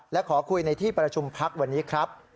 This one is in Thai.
และขอคุยในที่ประชุมพักวันนี้ครับ